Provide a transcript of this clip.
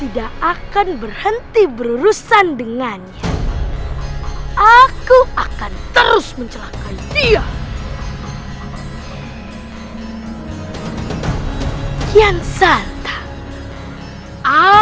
raden surawisesa menjadi calon mahkota